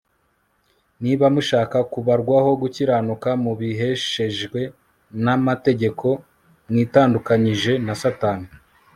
niba mushaka kubarwaho gukiranuka mubiheshejwe n'amategeko, mwitandukanyije na satani